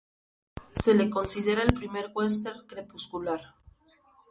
Se la considera el primer western crepuscular.